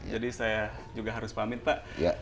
jadi saya juga harus pamit pak